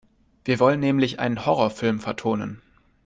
Wir wollen nämlich einen Horrorfilm vertonen.